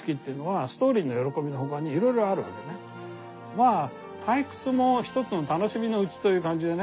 まぁ退屈も一つの楽しみのうちという感じでね。